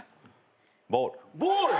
ボール。